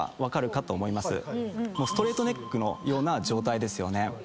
ストレートネックのような状態ですよね。